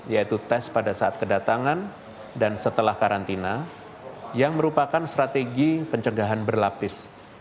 yaitu tes pada saat kedatangan dan setelah karantina yang merupakan strategi pencegahan berlapis